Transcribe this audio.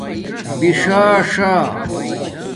بِݽݽاݽا